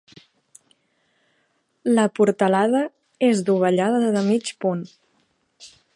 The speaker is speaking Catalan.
La portalada és dovellada de mig punt.